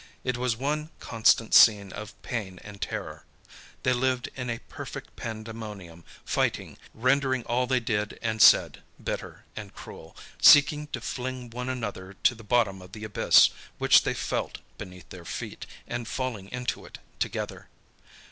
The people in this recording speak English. It was one constant scene of pain and terror. They lived in a perfect pandemonium, fighting, rendering all they did and said bitter and cruel, seeking to fling one another to the bottom of the abyss which they felt beneath their feet, and falling into it together.